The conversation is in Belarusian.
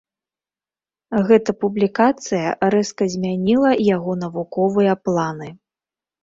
Гэта публікацыя рэзка змяніла яго навуковыя планы.